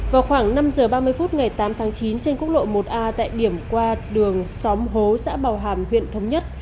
vào khoảng năm h ba mươi phút ngày tám tháng chín trên quốc lộ một a tại điểm qua đường xóm hố xã bào hàm huyện thống nhất